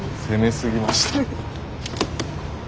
攻めすぎました。